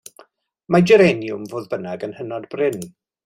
Mae germaniwm, fodd bynnag yn hynod brin.